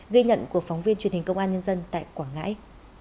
ghi nhận của phóng viên truyền hình công an nhân dân tại quảng ngãi